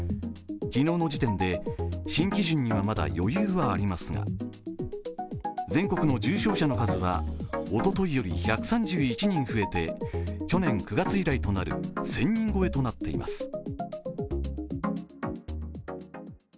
昨日の時点で、新基準にはまだ余裕がありますが全国の重症者の数はおとといより１３１人増えて去年９月以来となる１０００人超えとなっています。